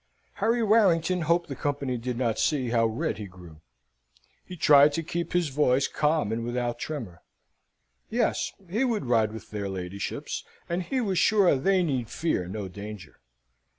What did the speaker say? Harry Warrington hoped the company did not see how red he grew. He tried to keep his voice calm and without tremor. Yes, he would ride with their ladyships, and he was sure they need fear no danger.